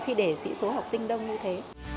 khi để sĩ số học sinh đông như thế